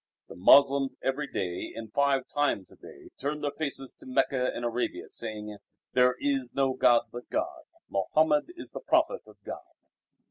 The Moslems every day and five times a day turn their faces to Mecca in Arabia, saying "There is no God but God; Mohammed is the Prophet of God."